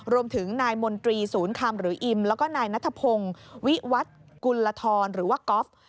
รวมถึงนายมนตรีศูนย์คำหรืออิมแล้วก็นายนัทพงศ์วิวัฒน์กุลธรหรือว่าก๊อฟ